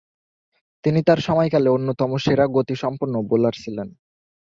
তিনি তার সময়কালে অন্যতম সেরা গতিসম্পন্ন বোলার ছিলেন।